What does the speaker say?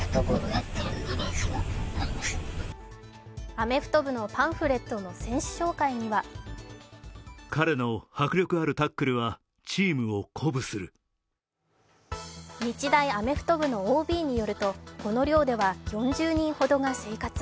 アメフト部のパンフレットの選手紹介には日大アメフト部のＯＢによるとこの寮では４０人ほどが生活。